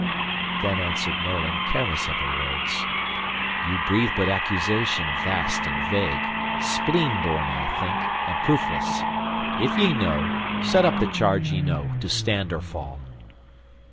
Then answered Merlin careless of her words: "You breathe but accusation vast and vague, Spleen born, I think, and proofless. If ye know, Set up the charge ye know, to stand or fall!"